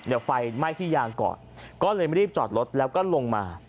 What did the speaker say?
เดี๋ยวไฟไหม้ที่ยางก่อนก็เลยไม่รีบจอดรถแล้วก็ลงมา